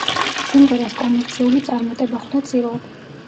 სიმღერას კომერციული წარმატება ხვდა წილად.